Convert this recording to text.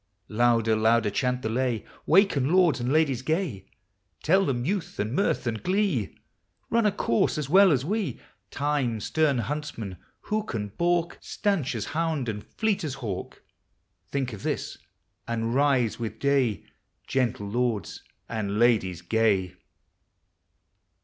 Louder, louder chanl the lay, Waken, lords and Indies gay! Tell them, youth and mirth and glee Run a course as well as we; Time, stern huntsman, who can balk, Stanch as hound and fleel as hawk? Think of this, and rise with day, Gentle lords and ladies ga}